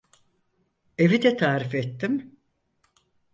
Evi de tarif ettim.